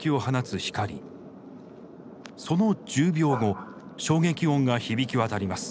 その１０秒後衝撃音が響き渡ります。